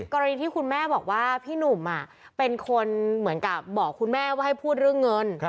กรณีที่คุณแม่บอกว่าพี่หนุ่มเป็นคนเหมือนกับบอกคุณแม่ว่าให้พูดเรื่องเงิน